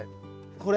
これ？